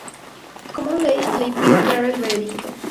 Common law le impide entrar el veredicto.